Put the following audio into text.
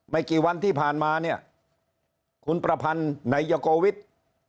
ไม่กี่วันที่ผ่านมาเนี่ยคุณประพันธ์นายโกวิทย์